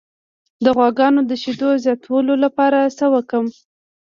د غواګانو د شیدو زیاتولو لپاره څه وکړم؟